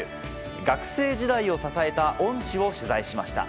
学生時代を支えた恩師を取材しました。